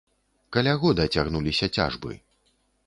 Каля года цягнуліся цяжбы.